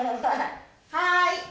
はい。